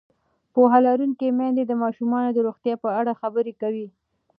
پوهه لرونکې میندې د ماشومانو د روغتیا په اړه خبرې کوي.